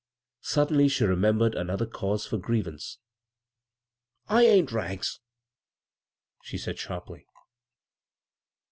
Suddenly she remembered yet another cause for griev^ ance. " I ain't ' Rags,' " she said sharply.